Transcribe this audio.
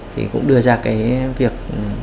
thì cũng đưa ra cái việc